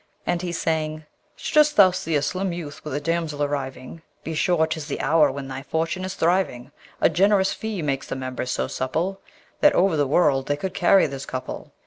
and he sang: Shouldst thou see a slim youth with a damsel arriving, Be sure 'tis the hour when thy fortune is thriving; A generous fee makes the members so supple That over the world they could carry this couple.